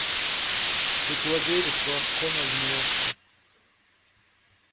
He graduated from Cornell University.